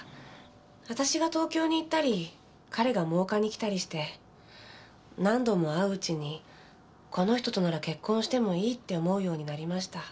私が東京に行ったり彼が真岡に来たりして何度も会ううちにこの人となら結婚してもいいって思うようになりました。